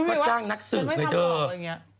มาจ้างนักสืบเลย